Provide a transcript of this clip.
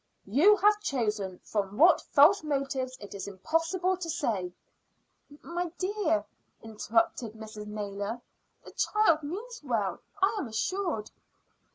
You have chosen, from what false motives it is impossible to say " "My dear," interrupted Mrs. Naylor, "the child means well, I am assured."